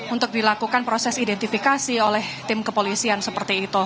untuk dilakukan proses identifikasi oleh tim kepolisian seperti itu